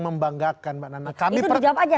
membanggakan mbak nanda itu dijawab aja